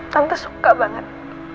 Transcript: tante suka banget